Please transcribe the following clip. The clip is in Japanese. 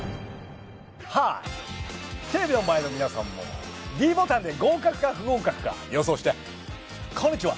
はいテレビの前の皆さんもｄボタンで合格か不合格か予想してこんにちは